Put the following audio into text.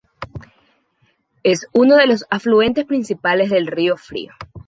Es uno de los afluentes principales del río Frío.